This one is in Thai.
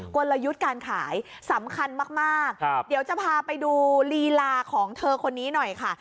กลยุทธ์การขายสำคัญมากเดี๋ยวจะพาไปดูลีลาของเธอคนนี้หน่อยค่ะ